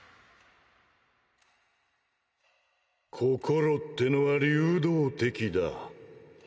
心ってのは流動的だ。